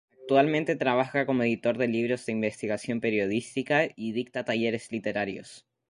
Actualmente trabaja como editor de libros de investigación periodística y dicta talleres literarios.